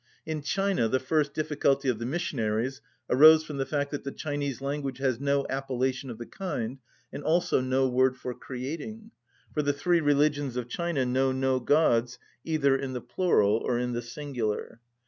In China the first difficulty of the missionaries arose from the fact that the Chinese language has no appellation of the kind and also no word for creating; for the three religions of China know no gods either in the plural or in the singular.